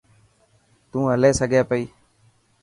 تون هلي سگھي پئي.